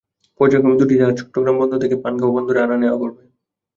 পর্যায়ক্রমে দুটি জাহাজ চট্টগ্রাম বন্দর থেকে পানগাঁও বন্দরে পণ্য আনা-নেওয়া করবে।